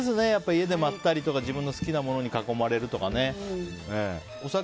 家で待ったりとか自分の好きなものに囲まれるとか。